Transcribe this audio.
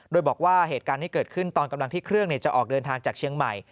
โดยบอกว่าเหตุการณ์ที่เกิดขึ้นตอนกำลังที่เครื่องจะออกเดินทางจากเชียงใหม่